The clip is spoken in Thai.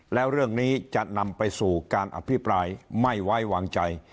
แล้วเรื่องนี้จะนำไปสู่การอภิปรายไม่ไว้วางใจ